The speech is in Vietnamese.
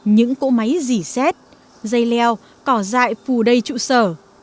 những cỗ máy dỉ xét dây leo cỏ dại phù đầy trụ sở